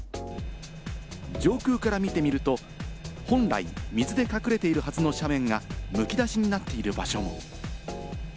上空から見てみると、本来、水で隠れているはずの斜面が、むき出しになっている場所も。